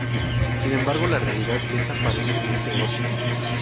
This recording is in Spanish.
Sin embargo, la realidad es aparentemente otra.